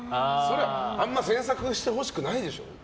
あんま詮索してほしくないでしょ？